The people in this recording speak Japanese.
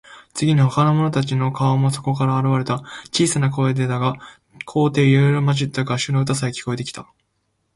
次に、ほかの者たちの顔もそこから現われた。小さい声でだが、高低いろいろまじった合唱の歌さえ、聞こえてきた。